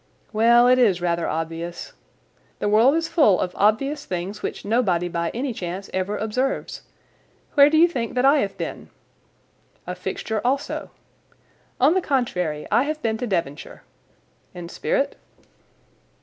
"Well, it is rather obvious." "The world is full of obvious things which nobody by any chance ever observes. Where do you think that I have been?" "A fixture also." "On the contrary, I have been to Devonshire." "In spirit?"